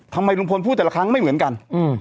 ทำไมลุงพลพูดแต่ละครั้งไม่เหมือนกัน